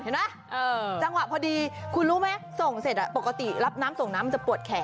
จังหวะพอดีคุณรู้ไหมส่งเสร็จปกติรับน้ำส่งน้ำมันจะปวดแขน